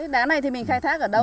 đá này thì mình khai thác ở đâu ạ